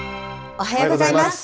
おはようございます。